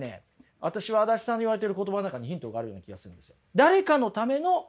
私は足立さんの言われてる言葉の中にヒントがあるような気がするんですよ。